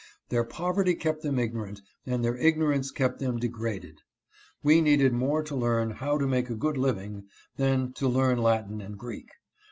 Their poverty kept them igno rant and their ignorance kept them degraded. We needed more to learn how to make a good living than to learn Latin and Greek.